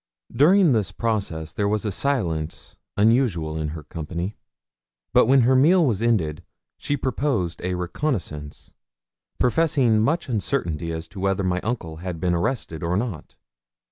During this process there was a silence unusual in her company; but when her meal was ended she proposed a reconnaissance, professing much uncertainty as to whether my Uncle had been arrested or not.